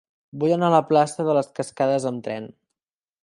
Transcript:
Vull anar a la plaça de les Cascades amb tren.